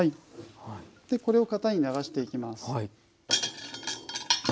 これを型に流していきます。